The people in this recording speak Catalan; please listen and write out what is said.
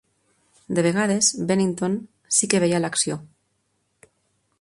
De vegades, "Bennington" sí que veia l'acció.